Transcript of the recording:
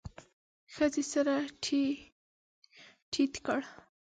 ښځې سر ټيت کړ.